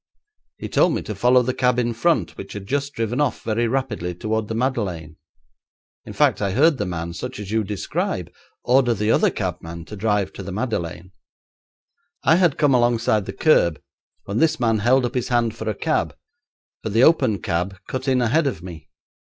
'He told me to follow the cab in front, which had just driven off very rapidly towards the Madeleine. In fact, I heard the man, such as you describe, order the other cabman to drive to the Madeleine. I had come alongside the curb when this man held up his hand for a cab, but the open cab cut in ahead of me.